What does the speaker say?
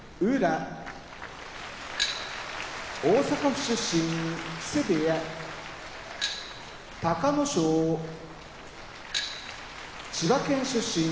熊本県出身境川部屋隆の勝千葉県出身